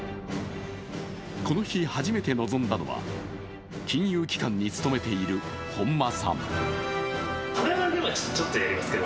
この日初めて臨んだのは金融機関に勤めている本間さん。